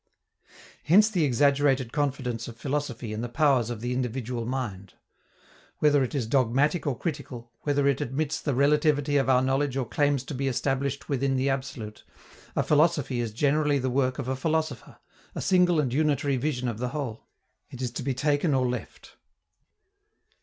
Hence the exaggerated confidence of philosophy in the powers of the individual mind. Whether it is dogmatic or critical, whether it admits the relativity of our knowledge or claims to be established within the absolute, a philosophy is generally the work of a philosopher, a single and unitary vision of the whole. It is to be taken or left.